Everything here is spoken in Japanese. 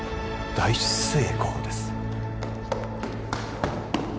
大成功です